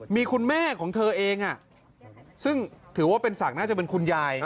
มีคุณแม่ของเธอเองซึ่งถือว่าเป็นศักดิ์น่าจะเป็นคุณยาย